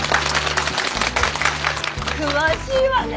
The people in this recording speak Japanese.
詳しいわね。